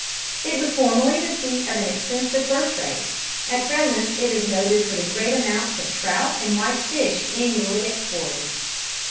"It was formerly the seat of an extensive fur trade; at present it is noted for the great amount of trout and white fish annually exported.